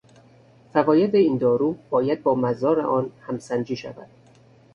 فواید این دارو باید با مضار آن همسنجی شود.